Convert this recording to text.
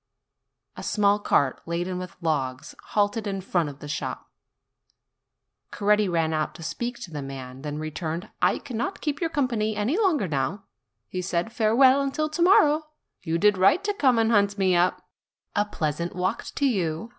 A small cart laden with logs halted in front of the shop. Coretti ran out to speak to the man, then re turned : "I cannot keep your company any longer now," he said; "farewell until to morrow. You did right to come and hunt me up. A pleasant walk to you!